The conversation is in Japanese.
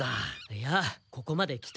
いやここまで来たんだ。